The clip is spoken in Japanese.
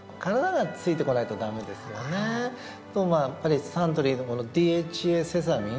やっぱりサントリーのこのＤＨＡセサミン。